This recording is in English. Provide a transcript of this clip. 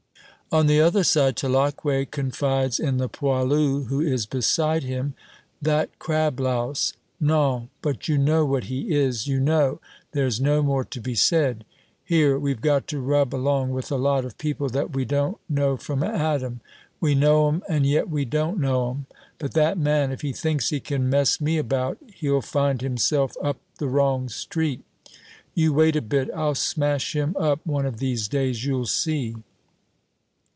On the other side, Tulacque confides in the poilu who is beside him: "That crab louse! Non, but you know what he is! You know there's no more to be said. Here, we've got to rub along with a lot of people that we don't know from Adam. We know 'em and yet we don't know 'em; but that man, if he thinks he can mess me about, he'll find himself up the wrong street! You wait a bit. I'll smash him up one of these days, you'll see!"